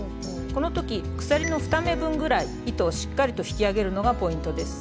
この時鎖の２目分ぐらい糸をしっかりと引き上げるのがポイントです。